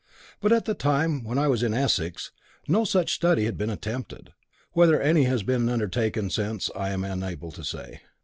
But at the time when I was in Essex, no such study had been attempted; whether any has been undertaken since I am unable to say.